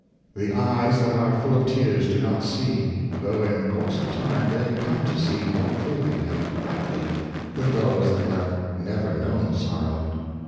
The eyes that are full of tears do not see; though in course of time they come to see more clearly and brightly than those that have never known sorrow.